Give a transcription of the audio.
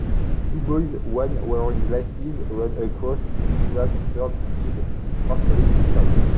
Two boys one wearing glasses run across grass Third child partially in shot